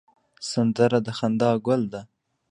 سندره د خندا ګل ده